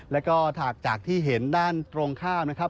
แล้วก็ถากจากที่เห็นด้านตรงข้ามนะครับ